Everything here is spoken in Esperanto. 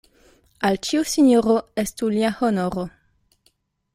Al ĉiu sinjoro estu lia honoro.